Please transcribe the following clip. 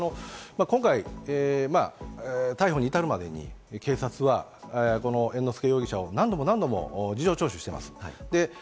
今回、逮捕に至るまでに警察は、この猿之助容疑者を何度も事情聴取しています。